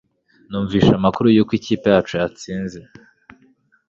Numvise amakuru yuko ikipe yacu yatsinze